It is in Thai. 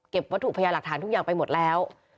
วัตถุพยาหลักฐานทุกอย่างไปหมดแล้ว